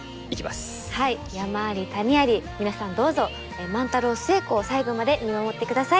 山あり谷あり皆さんどうぞ万太郎寿恵子を最後まで見守ってください。